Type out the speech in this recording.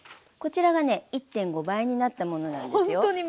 こちらがね１．５倍になったものなんですよ。